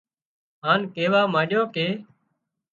هان ڪيوا مانڏيو ڪي